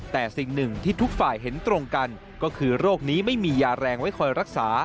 แต่สิ่งหนึ่งที่ทุกฝ่ายเห็นตรงกันก็คือโรคนี้ไม่มียาแรงไว้คอยรักษา